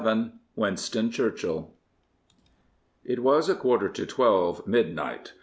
226 WINSTON CHURCHILL It was a quarter to twelve, midnight.